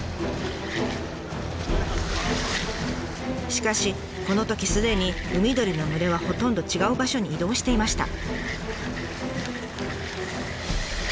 しかしこのときすでに海鳥の群れはほとんど違う場所に移動していました。